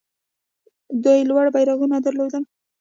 دوی لوړ بیرغونه درلودل